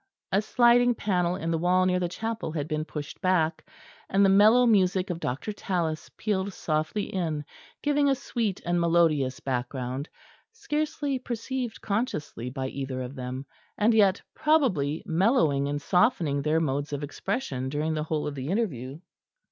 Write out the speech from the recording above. A sliding panel in the wall near the chapel had been pushed back, and the mellow music of Dr. Tallis pealed softly in, giving a sweet and melodious background, scarcely perceived consciously by either of them, and yet probably mellowing and softening their modes of expression during the whole of the interview.